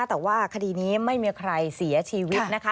แต่ว่าคดีนี้ไม่มีใครเสียชีวิตนะคะ